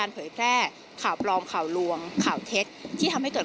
หรือว่าต้องการฆ่าเสียหายใด